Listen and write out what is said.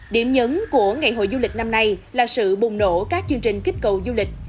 điểm nhấn của ngày hội du lịch năm nay là sự bùng nổ các chương trình kích cầu du lịch